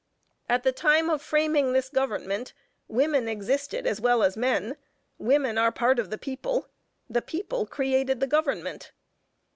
At the time of framing this government women existed as well as men, women are part of the people; the people created the government.